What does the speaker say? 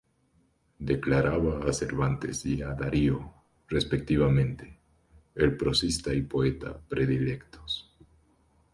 Declaraba a Cervantes y a Darío, respectivamente, ""el prosista y poeta predilectos"".